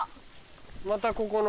またここの。